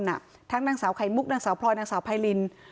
ทั้งสามคนทั้งนางสาวไขมุกนางสาวพลอยนางสาวไพริน